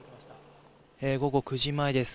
午後９時前です。